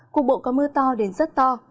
cuộc bộ có mưa to đến rất to